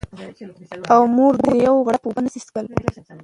او مور دې غوړپ اوبه نه شي څښلی